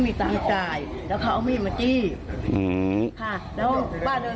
ก็วิ่งหนีไปนู่น